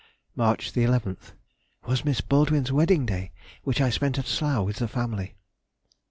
March 11th.—Was Miss Baldwin's wedding day, which I spent at Slough, with the family.